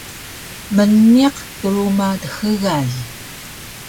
Mniq truma dxgal